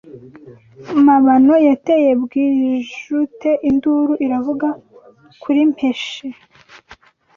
Mabano yateye Bwijute induru iravuga kuri Mpeshi